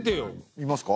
見ますか？